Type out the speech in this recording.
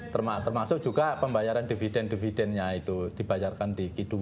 termasuk juga pembayaran dividen dividennya itu dibayarkan di kidung